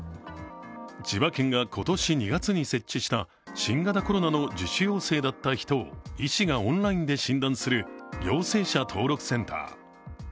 千葉県が今年２月に設置した新型コロナの自主陽性だった人を医師がオンラインで診断する陽性者登録センター。